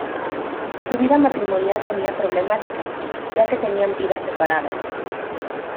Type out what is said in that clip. Su vida matrimonial tenía problemáticas, ya que tenían vidas separadas.